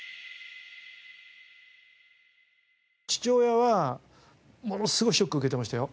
父親はものすごいショック受けてましたよ。